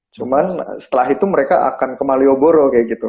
cuman setelah itu mereka akan ke malioboro kayak gitu